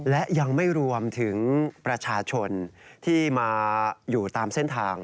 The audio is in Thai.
และยังไม่รวมถึงประชาชนที่มาอยู่ตามเส้นทาง